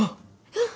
うん！